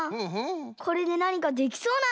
これでなにかできそうなんだけど。